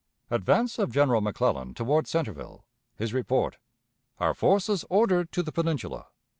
Advance of General McClellan toward Centreville; his Report. Our Forces ordered to the Peninsula.